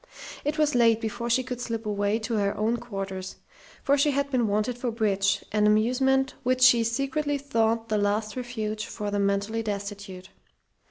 It was late before she could slip away to her own quarters, for she had been wanted for bridge, an amusement which she secretly thought the last refuge for the mentally destitute.